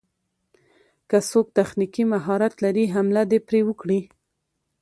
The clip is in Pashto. که څوک تخنيکي مهارت لري حمله دې پرې وکړي.